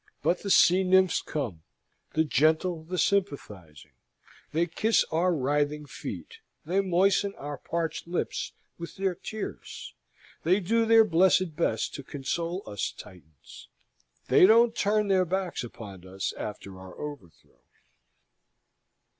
But the sea nymphs come the gentle, the sympathising; they kiss our writhing feet; they moisten our parched lips with their tears; they do their blessed best to console us Titans; they don't turn their backs upon us after our overthrow.